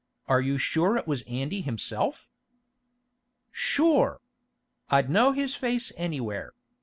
Are you sure it was Andy himself?" "Sure! I'd know his face anywhere.